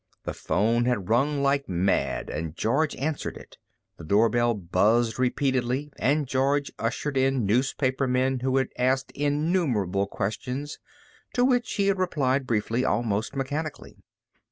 The phone had rung like mad and George answered it. The doorbell buzzed repeatedly and George ushered in newspapermen who had asked innumerable questions, to which he had replied briefly, almost mechanically.